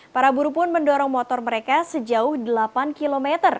para buruh pun mendorong motor mereka sejauh delapan km